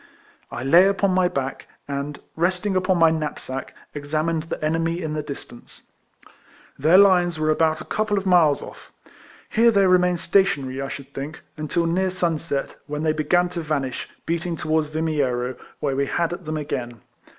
I lay upon my back, and, resting upon my knapsack, examined the enemy in the dis tance. Their lines were about a couple of RIFLEMAN HARRIS. 107 miles off: here they remained stationary, I should think, until near sunset, when they began to vanish, beating towards Yimiero, where we had at them again.